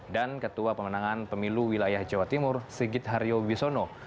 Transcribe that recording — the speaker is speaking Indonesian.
dan ketua pemenangan pemilu wilayah jawa timur sigit haryo bisono